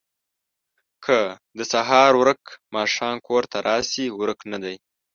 که د سهار ورک ماښام کور ته راشي، ورک نه دی.